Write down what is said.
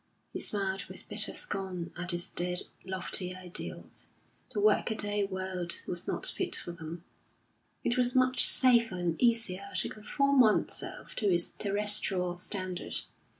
He smiled with bitter scorn at his dead, lofty ideals. The workaday world was not fit for them; it was much safer and easier to conform oneself to its terrestrial standard.